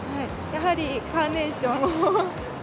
やはりカーネーションを。